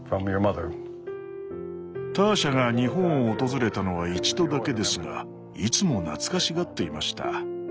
ターシャが日本を訪れたのは一度だけですがいつも懐かしがっていました。